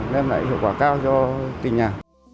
nên lại hiệu quả cao cho tỉnh nhà